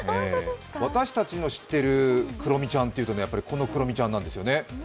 私たちの知ってるクロミちゃんというと、このクロミちゃんなんですよね。